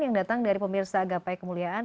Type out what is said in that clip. yang datang dari pemirsa gapai kemuliaan